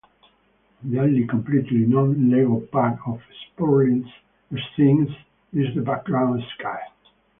The only completely non-Lego part of Spurling's scenes is the background sky.